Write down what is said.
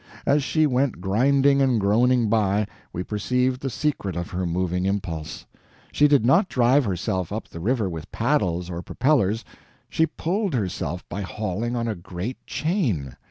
As she went grinding and groaning by, we perceived the secret of her moving impulse. She did not drive herself up the river with paddles or propeller, she pulled herself by hauling on a great chain.